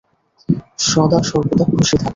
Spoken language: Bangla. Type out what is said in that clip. সদ-সর্বদা খুশি থাকা।